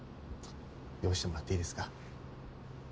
用意してもらっていいですか？